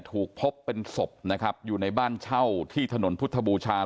ถูกพบเป็นศพนะครับอยู่ในบ้านเช่าที่ถนนพุทธบูชา